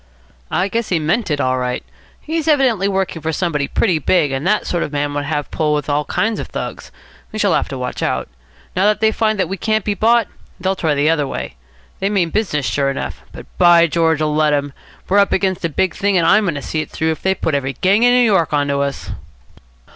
"I guess he meant it all right. He's evidently working for somebody pretty big, and that sort of man would have a pull with all kinds of Thugs. We shall have to watch out. Now that they find we can't be bought, they'll try the other way. They mean business sure enough. But, by George, let 'em! We're up against a big thing, and I'm going to see it through if they put every gang in New York on to us."